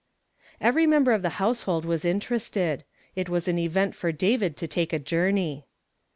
Every meml)er of the household was interested. It was an event for David to take a journey.